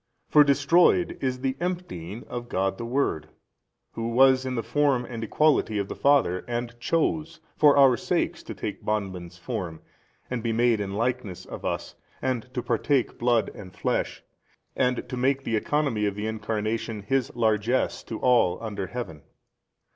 for destroyed is the emptying of God the Word, Who was in the Form and Equality of the Father and chose for our sakes to take bondman's form and be made in likeness of us, and to partake blood and flesh, and to make the economy of the Incarnation His largess to all under Heaven.